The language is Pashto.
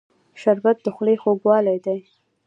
شربت د خولې خوږوالی دی